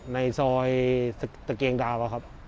ในซอยตะเกียงดาว